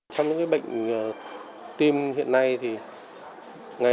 trong những bệnh tim hiện nay